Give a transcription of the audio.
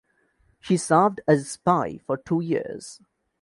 She served as spy for two years.